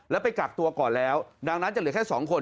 แล้วไปกักตัวก่อนแล้วดังนั้นจะเหลือแค่๒คน